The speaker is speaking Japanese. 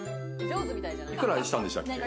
幾らしたんでしたっけ？